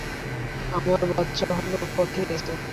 আমার বাচ্চা হল পথেই আছে!